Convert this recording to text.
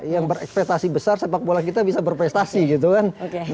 yang berekspetasi besar sepak bola kita bisa berprestasi gitu kan